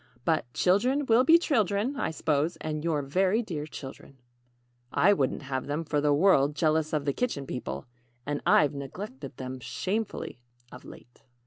But 'Children will be children,' I 'spose and you're very dear children." ("I wouldn't have them, for the world, jealous of the Kitchen People and I've neglected them shamefully of late.")